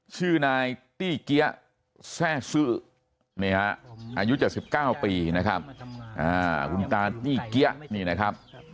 ชื่อนายตี้เกี๊ยะแซ่ซื่ออายุ๗๙ปีนะครับคุณตาตี้เกี๊ยะนี่นะครับ